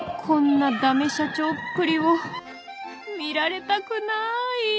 こんなダメ社長っぷりを見られたくない！